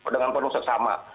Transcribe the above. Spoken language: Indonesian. dengan penuh seksama